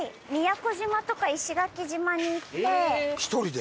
１人で？